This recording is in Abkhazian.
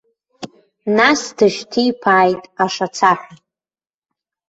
Нас дышьҭиԥааит ашацаҳәа.